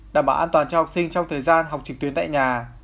đảm bảo an toàn cho học sinh trong thời gian học trực tuyến tại nhà